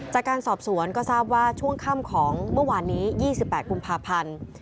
จากการสอบสวนก็ทราบว่าช่วงค่ำของเมื่อวานนี้๒๘กุมภาพันธ์